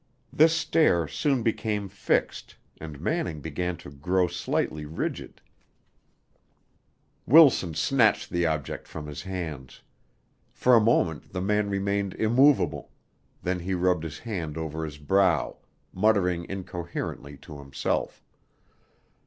This stare soon became fixed and Manning began to grow slightly rigid. Wilson snatched the object from his hands. For a moment the man remained immovable; then he rubbed his hand over his brow, muttering incoherently to himself.